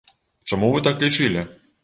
Чаму вы так лічылі?